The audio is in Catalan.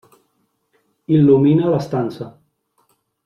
Il·lumina l'estança.